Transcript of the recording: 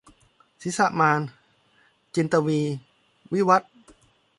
ศีรษะมาร - จินตวีร์ วิวัธน์